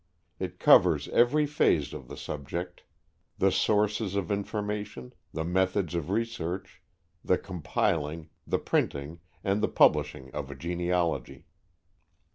It covers every phase of the subject the sources of information, the methods of research, the compiling, the printing, and the publishing of a genealogy.